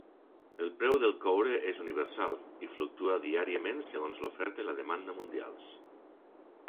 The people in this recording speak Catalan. El preu del coure és universal, i fluctua diàriament segons l'oferta i la demanda mundials.